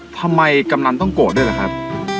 กำนันต้องโกรธด้วยล่ะครับ